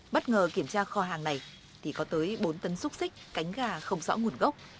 bất ngờ kiểm tra kho hàng này thì có tới bốn tấn xúc xích cánh gà không rõ nguồn gốc